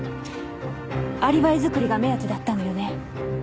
アリバイ作りが目当てだったのよね。